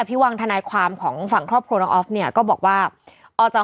พี่วังทนายความของฝั่งครอบครัวน้องออฟเนี่ยก็บอกว่าออกจาก